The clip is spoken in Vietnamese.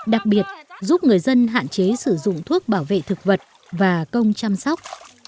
đặc biệt giúp người dân hạn chế sử dụng thuốc bảo vệ thực vật và công chăm sóc